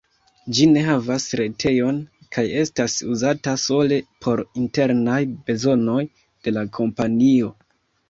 Ĝi ne havas retejon kaj estas uzata sole por internaj bezonoj de la kompanio.